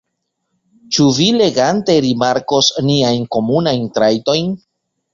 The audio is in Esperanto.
Ĉu vi legante rimarkos niajn komunajn trajtojn?